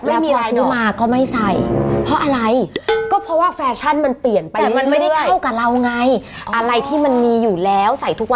แล้วพอชูมาก็ไม่ใส่